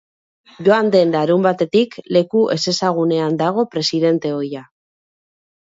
Joan den larunbatetik leku ezezagunean dago presidente ohia.